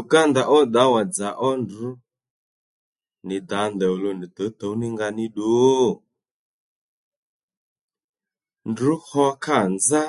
Uganda ó ddǎwà-dzà ó ndrǔ nì dǎ ndèy òluw nì tǔwtǔw ní nga ní ddu? Ndrǔ hwo kâ nzá